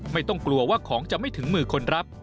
ไม่ต้องกลัวว่าของจะไม่ถึงมือคนรับ